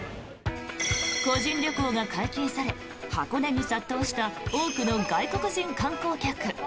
個人旅行が解禁され箱根に殺到した多くの外国人観光客。